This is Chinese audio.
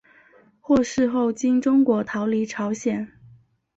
获释后经中国逃离朝鲜。